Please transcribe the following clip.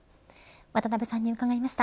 渡辺さんに伺いました。